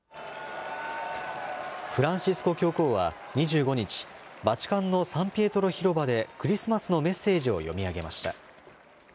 フランシスコ教皇は２５日、バチカンのサンピエトロ広場でクリスマスのメッセージを読み上げました。